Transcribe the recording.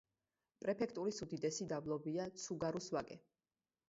პრეფექტურის უდიდესი დაბლობია ცუგარუს ვაკე.